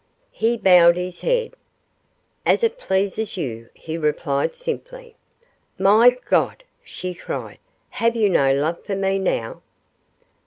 He bowed his head. 'As it pleases you,' he replied, simply. 'My God!' she cried, 'have you no love for me now?